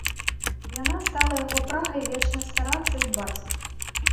Яна стала яго прагай вечна старацца і дбаць.